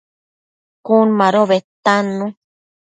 Cun mado bedtannu